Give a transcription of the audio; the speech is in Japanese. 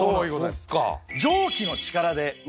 そっか。